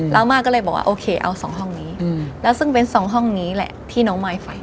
แล้วมาก็เลยบอกว่าโอเคเอา๒ห้องนี้แล้วซึ่งเป็นสองห้องนี้แหละที่น้องมายไฟ